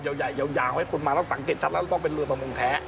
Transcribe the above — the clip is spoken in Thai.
ยาวไว้คนมาแล้วสังเกตชัดแล้วต้องเป็นเรือประมงแท้